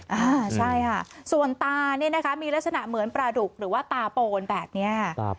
หนักสุดเลยส่วนตามีลาชนะเหมือนปราดุกหรือว่าตาโปนแบบนี้